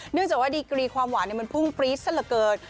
จากว่าดีกรีความหวานมันพุ่งปรี๊ดซะละเกิน